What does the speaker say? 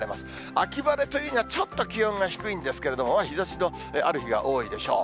秋晴れというにはちょっと気温が低いんですけれども、日ざしのある日が多いでしょう。